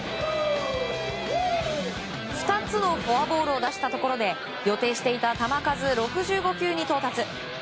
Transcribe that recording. ２つのフォアボールを出したところで予定していた球数６５球に到達。